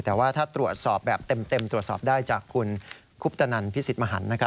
แต่ว่าถ้าตรวจสอบแบบเต็มตรวจสอบได้จากคุณคุปตนันพิสิทธิ์มหัน